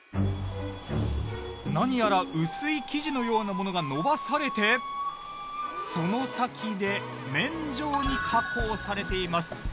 何やら薄い生地のようなものが延ばされてその先で麺状に加工されています。